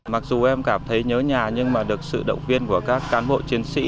mặc dù em cảm thấy nhớ nhà nhưng mà được sự động viên của các cán bộ chiến sĩ